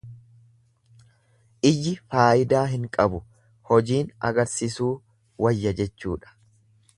lyyi faayidaa hin qabu, hojiin agarsisuu wayya jechuudha.